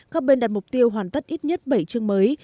các bên đặt mục tiêu hoàn tất ít nhất bảy chương mới